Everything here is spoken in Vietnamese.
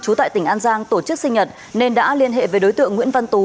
chú tại tỉnh an giang tổ chức sinh nhật nên đã liên hệ với đối tượng nguyễn văn tú